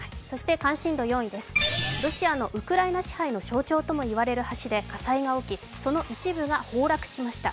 関心度４位、ロシアのウクライナ支配の象徴とも言われる橋で火災が起き、その一部が崩落しました。